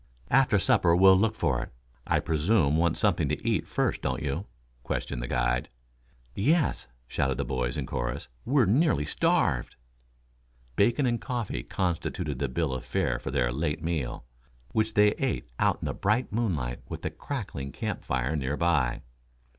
"After supper we'll look for it. I presume want something to eat first, don't you?" questioned the guide. "Yes," shouted the lads in chorus. "We're nearly starved." Bacon and coffee constituted the bill of fare for their late meal, which they ate out in the bright moonlight with the crackling camp fire near by.